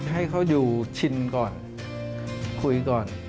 ให้เขาอยู่ชินก่อนคุยก่อน